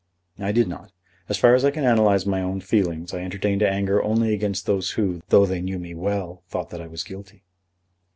"I did not. As far as I can analyse my own feelings, I entertained anger only against those who, though they knew me well, thought that I was guilty."